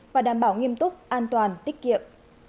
và đảm bảo nghiêm túc an toàn tích kiệm